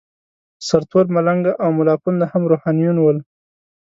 سرتور ملنګ او ملاپوونده هم روحانیون ول.